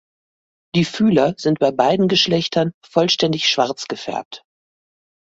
Die Fühler sind bei beiden Geschlechtern vollständig schwarz gefärbt.